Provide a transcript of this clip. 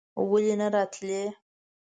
ولې نه راتلې?